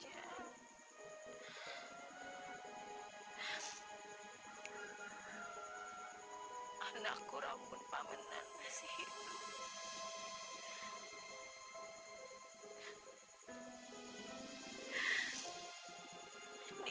amin ya rabbal alamin